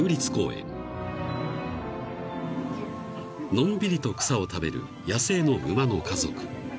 ［のんびりと草を食べる野生の馬の家族］